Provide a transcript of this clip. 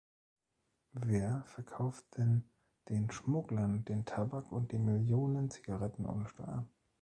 Wer verkauft denn den Schmugglern den Tabak und die Millionen Zigaretten ohne Steuern?